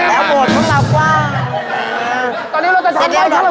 อ้าแล้วบทของเราแบบว่า